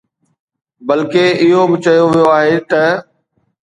بلڪه اهو به چيو ويو آهي ته